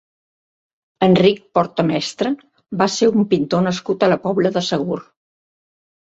Enric Porta Mestre va ser un pintor nascut a la Pobla de Segur.